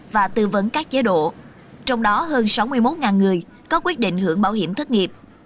và tư vấn các chế độ trong đó hơn sáu mươi một người có quyết định hưởng bảo hiểm thất nghiệp